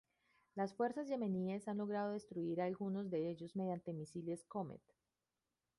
Las fuerzas yemeníes han logrado destruir algunos de ellos, mediante misiles Komet.